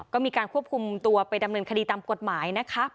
ก็มีการควบคุมตัวไปดำเนินคดีตามกฎหมายนะคะ